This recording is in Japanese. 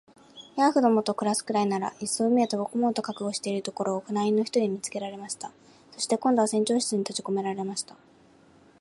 ヤーフどもと暮すくらいなら、いっそ海へ飛び込もうと覚悟しているところを、船員の一人に見つけられました。そして、今度は船長室にとじこめられました。